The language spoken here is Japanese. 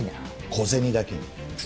小銭だけに。